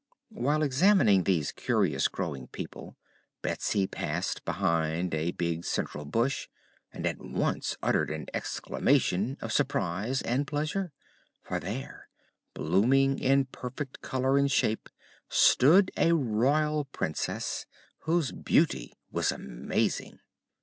While examining these curious growing people, Betsy passed behind a big central bush and at once uttered an exclamation of surprise and pleasure. For there, blooming in perfect color and shape, stood a Royal Princess, whose beauty was amazing.